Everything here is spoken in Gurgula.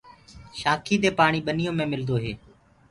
شآکينٚ دي پآڻي ٻنيوڪوُ ملدو هي۔